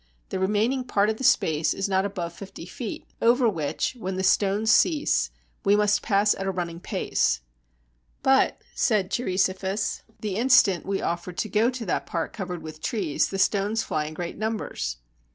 The remaining part of the space is not above fifty feet, over which, when the stones cease, we must pass at a running pace." "But," said Cheiriso phus, "the instant we offer to go to the part covered with trees, the stones fly in great numbers."